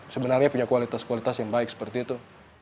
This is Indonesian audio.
sebenarnya punya kualitas kualitas yang baik seperti itu